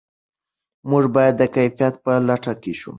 موږ باید د کیفیت په لټه کې شو.